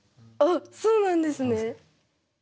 あっそうなんですね。